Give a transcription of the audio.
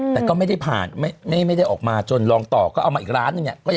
แต่ก็ไม่ได้ผ่านไม่ได้ออกมาจนลองต่อก็เอามาอีกล้านหนึ่งเนี่ย